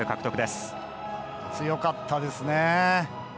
強かったですね。